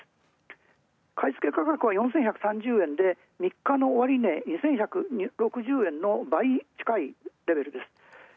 買い付け価格は４４３円で３日の終値、２１６０円の倍ちかいレベルです。